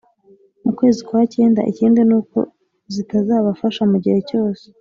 mu kwezi kwa cyenda. Ikindi ni uko zitazabafasha mu gihe cyose